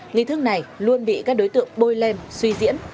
nghị thức này luôn bị các đối tượng bôi lên suy diễn